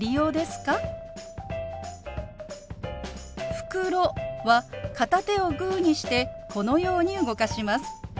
「袋」は片手をグーにしてこのように動かします。